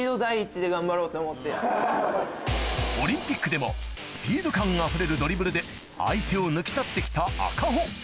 オリンピックでもスピード感あふれるドリブルで相手を抜き去って来た赤穂